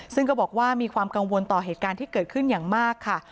ซึ่งก็บอกว่ามีความกังวลต่อเหตุการณ์ที่เกิดขึ้นอย่างมากค่ะ